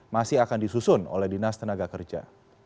masih akan disusun oleh dinas tenaga kerja